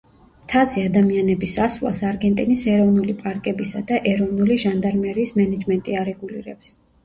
მთაზე ადამიანების ასვლას არგენტინის ეროვნული პარკებისა და ეროვნული ჟანდარმერიის მენეჯმენტი არეგულირებს.